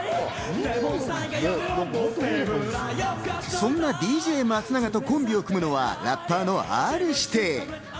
そんなＤＪ松永とコンビを組むのはラッパーのＲ−指定。